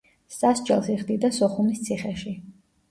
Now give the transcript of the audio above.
სასჯელს იხდიდა სოხუმის ციხეში.